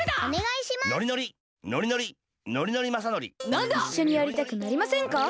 いっしょにやりたくなりませんか？